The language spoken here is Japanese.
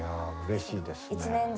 うれしいですね。